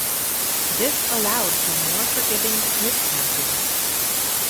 This allowed for more forgiving flint knapping.